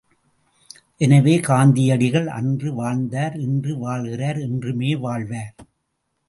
எனவே கர்ந்தியடிகள் அன்று வாழ்ந்தார் இன்று வாழ்கிறார் என்றுமே வாழ்வார்.